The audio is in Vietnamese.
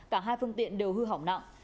cả hai phương tiện đều hư hỏng nặng